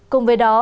cùng với đó